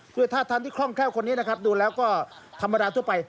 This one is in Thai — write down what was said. คือท่าทางที่คล่องแคล่วคนนี้นะครับดูแล้วก็ธรรมดาทั่วไป